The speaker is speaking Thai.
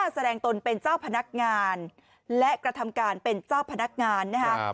แสดงตนเป็นเจ้าพนักงานและกระทำการเป็นเจ้าพนักงานนะครับ